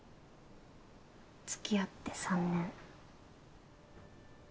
付き合って３年。